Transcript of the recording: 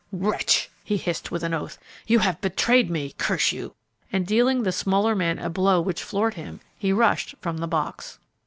"Wretch!" he hissed, with an oath, "you have betrayed me, curse you!" and, dealing the smaller man a blow which floored him, he rushed from the box.